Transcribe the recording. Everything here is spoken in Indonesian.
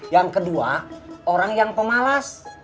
yang kedua orang yang pemalas